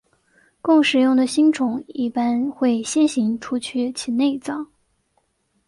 供食用的星虫一般会先行除去其内脏。